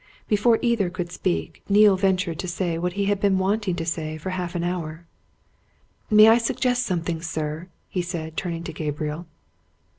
Before either could speak, Neale ventured to say what he had been wanting to say for half an hour. "May I suggest something, sir?" he said, turning to Gabriel.